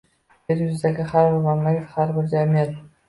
Yer yuzidagi har bir mamlakat, har bir jamiyat